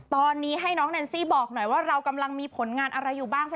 ตอนนี้ให้น้องแนนซี่บอกหน่อยว่าเรากำลังมีผลงานอะไรอยู่บ้าง